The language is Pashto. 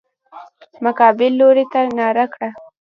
مقابل لوري ناره کړه.